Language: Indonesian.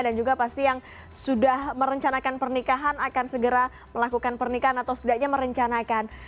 dan juga pasti yang sudah merencanakan pernikahan akan segera melakukan pernikahan atau setidaknya merencanakan